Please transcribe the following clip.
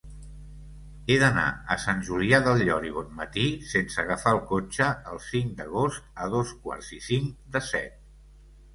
He d'anar a Sant Julià del Llor i Bonmatí sense agafar el cotxe el cinc d'agost a dos quarts i cinc de set.